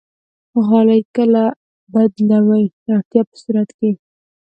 غالۍ کله بدلوئ؟ د اړتیا په صورت کې